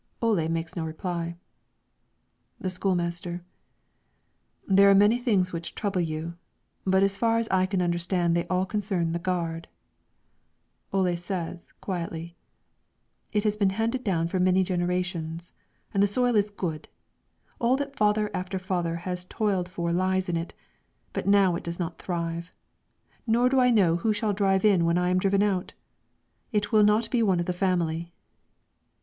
Ole makes no reply. The school master: "There are many things which trouble you; but as far as I can understand they all concern the gard." Ole says, quietly, "It has been handed down for many generations, and the soil is good. All that father after father has toiled for lies in it; but now it does not thrive. Nor do I know who shall drive in when I am driven out. It will not be one of the family."